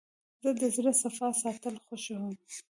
زه د زړه صفا ساتل خوښوم.